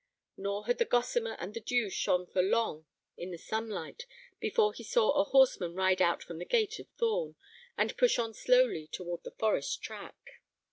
Nor had the gossamer and the dew shone for long in the sunlight before he saw a horseman ride out from the gate of Thorn, and push on slowly toward the forest track.